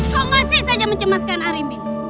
kau masih saja mencemaskan arimbi